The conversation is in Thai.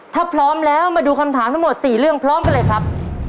ถ้าพร้อมแล้วมาดูคำถามทั้งหมด๔เรื่องพร้อมกันเลยครับ